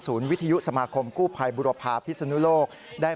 ศูนย์วิทยุสมาคมกู้ภัยบุรพาพิศนุโลก